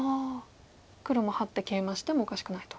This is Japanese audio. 黒もハッてケイマしてもおかしくないと。